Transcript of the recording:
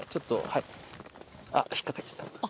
はい。